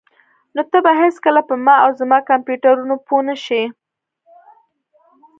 نو ته به هیڅکله په ما او زما کمپیوټرونو پوه نشې